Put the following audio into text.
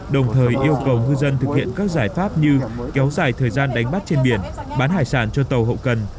đồng thời yêu cầu ngư dân thực hiện các giải pháp như kéo dài thời gian đánh bắt trên biển bán hải sản cho tàu hậu cần